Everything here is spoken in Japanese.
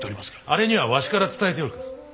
あれにはわしから伝えておく。